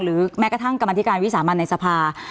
หรือแม้กระทั่งกรรมนาทิการวิสานมันในสภา